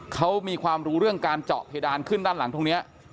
เขามีความรู้เรื่องการเจาะเพดานขึ้นด้านหลังตรงนี้